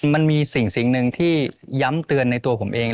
มันมีสิ่งหนึ่งที่ย้ำเตือนในตัวผมเอง